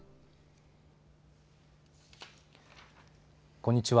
こんにちは。